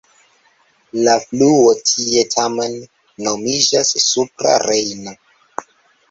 La fluo tie tamen nomiĝas Supra Rejno.